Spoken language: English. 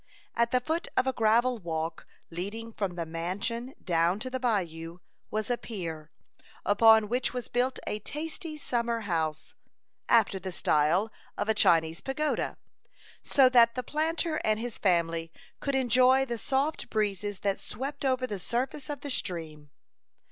At the foot of a gravel walk, leading from the mansion down to the bayou, was a pier, upon which was built a tasty summer house, after the style of a Chinese pagoda, so that the planter and his family could enjoy the soft breezes that swept over the surface of the stream.